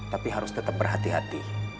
tapi harus tetap berhati hati